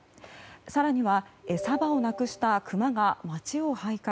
更には、餌場をなくしたクマが街を徘徊。